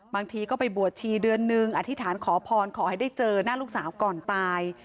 บางทีก็ไปบวชชีเดือนนึงอธิษฐานขอพรขอให้ได้เจอหน้าลูกสาวก่อนตาย